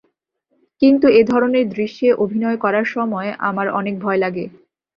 কিন্তু এ ধরনের দৃশ্যে অভিনয় করার সময় আমার অনেক ভয় লাগে।